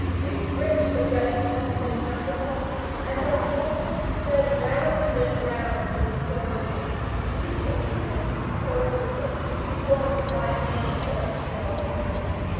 We gripped the red cloth in front of us, and our souls sped round and round with Coralie, leaping with her, prone with her, swung by mane or tail with her.